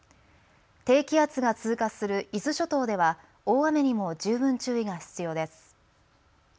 低気圧が通過する伊豆諸島では大雨にも十分注意が必要です。